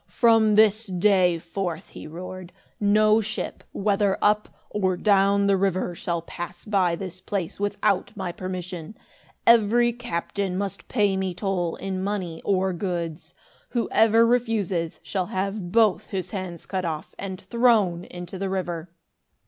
"From this day forth," he roared, "no ship, whether up or down the river, shall pass by this place, without my permission. Every captain must pay me toll, in money or goods. Whoever refuses, shall have both his hands cut off and thrown into the river.